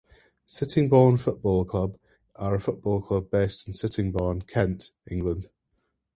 Sittingbourne Football Club are a football club based in Sittingbourne, Kent, England.